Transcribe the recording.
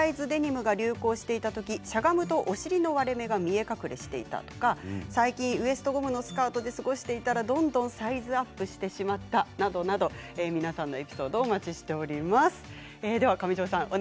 例えばローライズデニムが流行していたとき、しゃがむとお尻の割れ目が見え隠れしていたとか最近ウエストゴムのスカートで過ごしていたらどんどんサイズアップしてしまったなどなど皆さんのエピソードをお待ちしています。